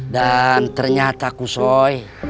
dan ternyata kusoy